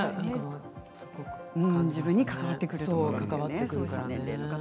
自分に関わってくるということですね。